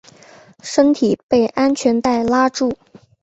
身体被安全带拉住